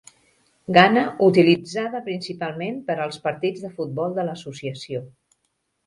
Ghana, utilitzada principalment per als partits de futbol de l'associació.